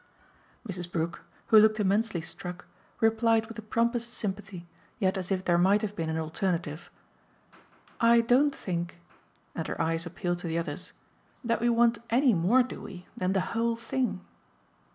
Mrs. Brook, who looked immensely struck, replied with the promptest sympathy, yet as if there might have been an alternative. "I don't think" and her eyes appealed to the others "that we want ANY more, do we? than the whole thing."